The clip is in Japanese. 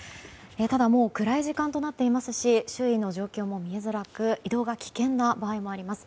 ただ、もう暗い時間となっていますし周囲の状況も見えづらく移動が危険な場合もあります。